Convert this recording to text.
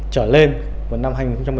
trở lên vào năm hai nghìn một mươi bảy